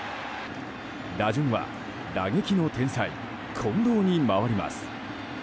打順は打撃の天才近藤に回ります。